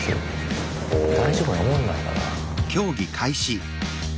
大丈夫なもんなんだな。